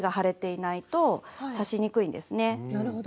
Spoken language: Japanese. なるほど。